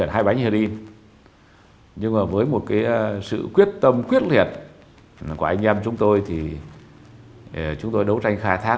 nhưng mà với một cái sự quyết tâm quyết liệt của anh em chúng tôi thì chúng tôi đấu tranh khai thác